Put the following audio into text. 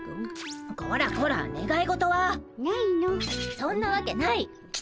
そんなわけないっ！